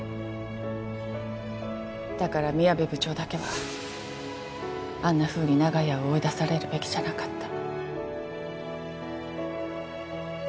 だから宮部部長だけはあんなふうに長屋を追い出されるべきじゃなかった。